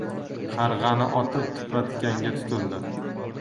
• Qarg‘ani otib, tipratikanga tutildi.